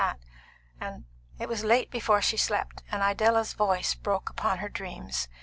It was late before she slept, and Idella's voice broke upon her dreams.